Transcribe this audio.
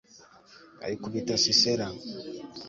ayikubita sisera